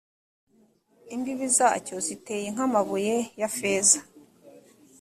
imbibi zacyo ziteye nk’amabuye ya feza.